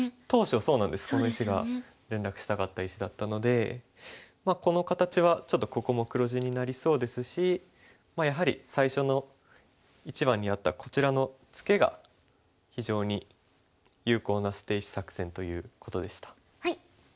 当初そうなんですこの石が連絡したかった石だったのでこの形はちょっとここも黒地になりそうですしやはり最初の一番にやったこちらのツケが非常に有効な捨て石作戦ということでした。